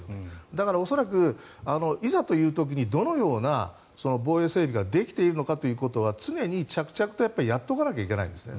だから恐らくいざという時にどのような防衛整備ができているのかということは常に着々とやっておかないといけないんですね。